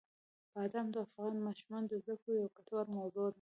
بادام د افغان ماشومانو د زده کړې یوه ګټوره موضوع ده.